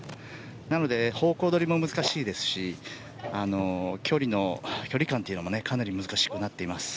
なので、方向取りも難しいですし距離感というのもかなり難しくなっています。